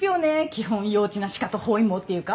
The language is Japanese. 基本幼稚なシカト包囲網っていうか？